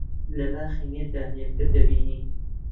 لە باخی میردا یەکتر دەبینن